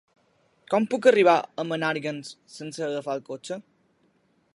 Com puc arribar a Menàrguens sense agafar el cotxe?